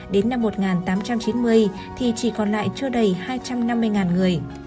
đến năm một nghìn tám trăm chín mươi thì chỉ còn lại chưa đầy hai trăm năm mươi người